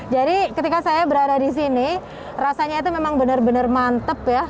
jadi ketika saya berada di sini rasanya itu memang benar benar mantep ya